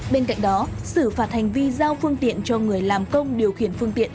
bên cạnh đó xử phạt hành vi giao phương tiện cho người làm công điều khiển phương tiện